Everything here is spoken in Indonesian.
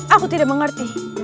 aku tidak mengerti